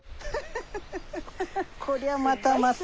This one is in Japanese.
こりゃまたまた。